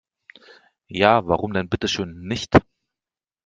Ja, warum denn bitteschön nicht?